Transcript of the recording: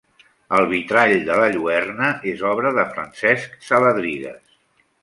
El vitrall de la lluerna és obra de Francesc Saladrigues.